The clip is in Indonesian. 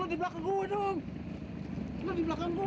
tidak dia di belakangmu